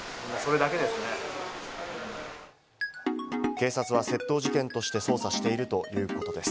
警察は窃盗事件として捜査しているということです。